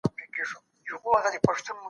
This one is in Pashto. د رواجونو زور اکثره وخت په ټولنه کې پټ وي.